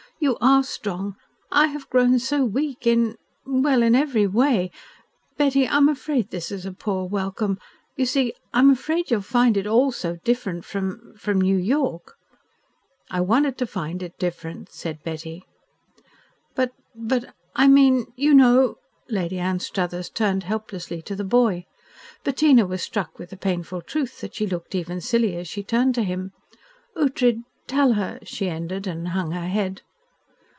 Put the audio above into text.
"You are strong. I have grown so weak in well, in every way. Betty, I'm afraid this is a poor welcome. You see I'm afraid you'll find it all so different from from New York." "I wanted to find it different," said Betty. "But but I mean you know " Lady Anstruthers turned helplessly to the boy. Bettina was struck with the painful truth that she looked even silly as she turned to him. "Ughtred tell her," she ended, and hung her head.